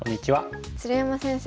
鶴山先生